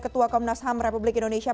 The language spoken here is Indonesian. ketua komnas ham republik indonesia